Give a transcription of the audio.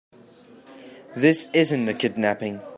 This isn't a kidnapping.